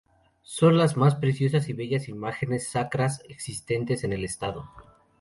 Son las más preciosas y bellas imágenes sacras existentes en el estado.